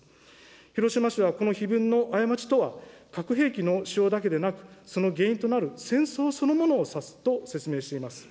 広島市は、この碑文の過ちとは、核兵器の使用だけでなく、その原因となる戦争そのものを指すと説明しています。